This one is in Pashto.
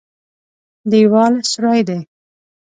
دېوال سوری دی.